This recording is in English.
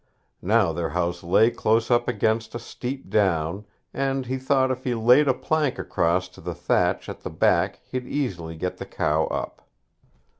Now their house lay close up against a steep down, and he thought if he laid a plank across to the thatch at the back he'd easily get the cow up.